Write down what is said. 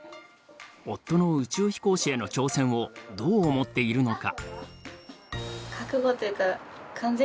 夫の宇宙飛行士への挑戦をどう思っているのか。